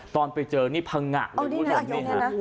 ตอนไปเจอนี่พังงะเลย